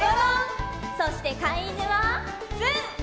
そしてかいいぬはつん！